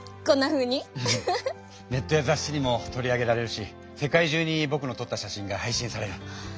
ネットやざっしにも取り上げられるし世界中にぼくのとった写真がはいしんされる。